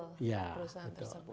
lebih credible perusahaan tersebut